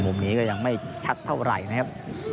มุมนี้ก็ยังไม่ชัดเท่าไหร่นะครับ